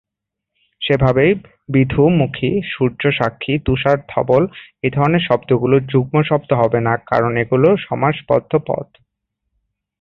সেই ভাবেই বিধূ-মুখী, সূর্য-সাক্ষী, তুষার-ধবল এই ধরনের শব্দগুলো যুগ্ম শব্দ হবে না কারণ এগুলো সমাস বদ্ধ পদ।